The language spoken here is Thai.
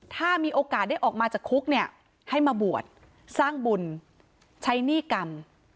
ถ้ามีโอกาสได้ออกมาจากคุกเนี่ยให้มาบวชสร้างบุญใช้หนี้กรรม